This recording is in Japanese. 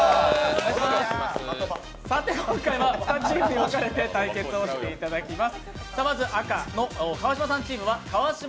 さて、今回は２チームに分かれて対決をしていただきます。